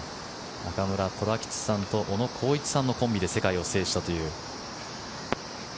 中村寅吉さんとオノ・コウイチさんのコンビで世界を制したという。